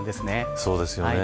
そうですよね。